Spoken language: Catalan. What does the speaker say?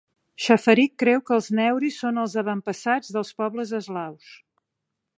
Schafarik creu que els Neuri són els avantpassats del pobles eslaus.